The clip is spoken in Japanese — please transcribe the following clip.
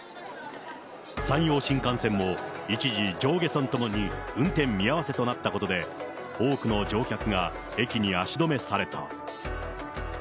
山陽新幹線も一時、上下線ともに運転見合わせとなったことで、多くの乗客が駅に足止めされた。